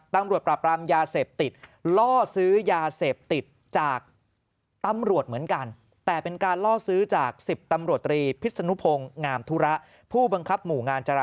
ปราบรามยาเสพติดล่อซื้อยาเสพติดจากตำรวจเหมือนกัน